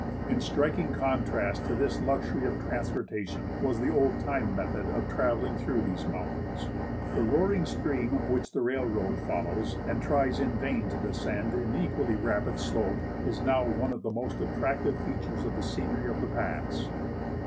In striking contrast to this luxury of transportation was the old time method of travelling through these mountains. The roaring stream which the railroad follows and tries in vain to descend in equally rapid slope is now one of the most attractive features of the scenery of the pass.